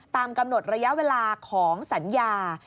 ตามกำหนดระยะเวลาของสัญญา